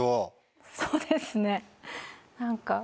そうですね何か。